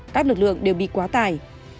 các lực lượng đều bị quá tải